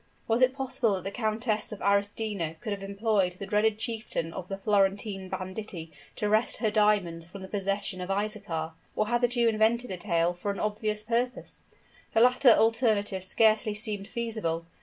Was it possible that the Countess of Arestino could have employed the dreaded chieftain of the Florentine banditti to wrest her diamonds from the possession of Isaachar? or had the Jew invented the tale for an obvious purpose? The latter alternative scarcely seemed feasible.